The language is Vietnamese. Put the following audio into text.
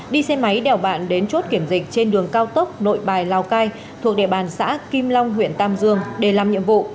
đi xe máy đèo bạn đến chốt kiểm dịch trên đường cao tốc nội bài lào cai thuộc địa bàn xã kim long huyện tam dương để làm nhiệm vụ